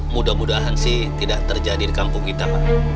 mudah mudahan sih tidak terjadi di kampung kita pak